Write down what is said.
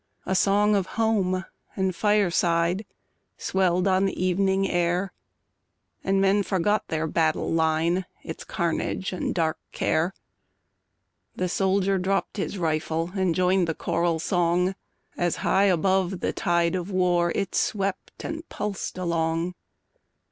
A song of home and fireside Swelled on the evening air, And men forgot their battle line, Its carnage and dark care ; The soldier dropp'd his rifle And joined the choral song, As high above the tide of war It swept and pulsed along.